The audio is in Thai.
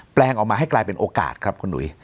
แปลงออกมาให้กลายเป็นโอกาสครับคุณหุย